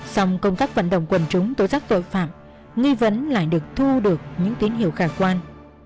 song công tác vận động quần chúng tố giác tội phạm nghi vấn lại được thu được những tín hiệu khả quan